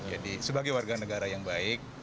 jadi sebagai warga negara yang baik